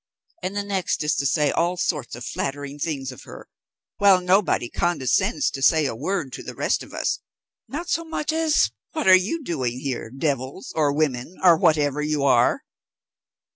and the next is to say all sorts of flattering things of her, while nobody condescends to say a word to the rest of us, not so much as 'What are you doing here, devils, or women, or whatever you are?'"